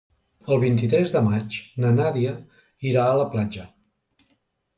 El vint-i-tres de maig na Nàdia irà a la platja.